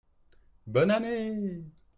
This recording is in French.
Bonne année !